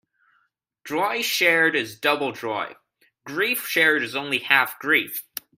Joy shared is double joy; grief shared is only half grief.